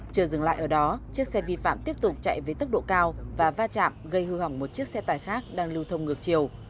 chưa dừng lại ở đó chiếc xe vi phạm tiếp tục chạy với tốc độ cao và va chạm gây hư hỏng một chiếc xe tải khác đang lưu thông ngược chiều